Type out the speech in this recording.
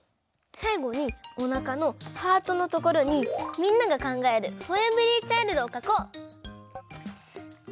さいごにおなかのハートのところにみんながかんがえるｆｏｒｅｖｅｒｙｃｈｉｌｄをかこう！